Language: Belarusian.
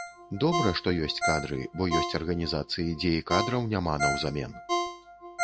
Добра, што ёсць кадры, бо ёсць арганізацыі, дзе і кадраў няма наўзамен!